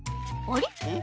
あれ？